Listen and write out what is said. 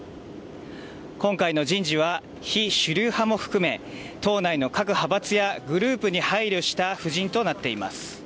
今回の人事は非主流派も含め党内の各派閥やグループに配慮した布陣となっています。